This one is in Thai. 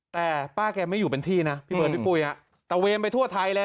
แต่ป้าแกไม่อยู่เป็นที่นะพี่เบิร์ดพี่ปุ้ยฮะตะเวนไปทั่วไทยเลย